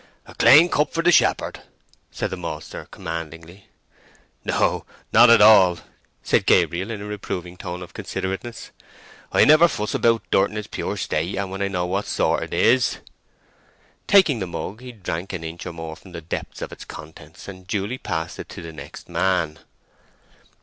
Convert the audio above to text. "A clane cup for the shepherd," said the maltster commandingly. "No—not at all," said Gabriel, in a reproving tone of considerateness. "I never fuss about dirt in its pure state, and when I know what sort it is." Taking the mug he drank an inch or more from the depth of its contents, and duly passed it to the next man.